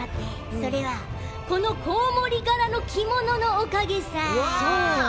それはこのコウモリ柄の着物のおかげさ。